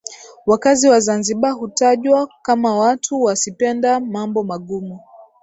Wakazi wa Zanzibar hutajwa Kama watu wasipenda mambo magumu